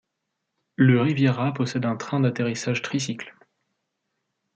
Le Riviera possède un train d'atterrissage tricycle.